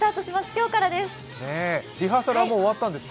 今日からです。